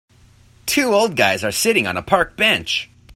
two old guys are sitting on a park bench